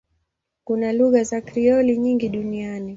Kuna lugha za Krioli nyingi duniani.